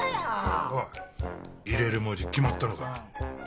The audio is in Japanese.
おい入れる文字決まったのか？